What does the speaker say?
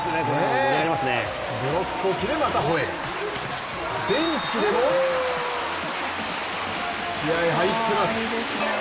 ブロックを決めた、ベンチでも、気合い入ってます。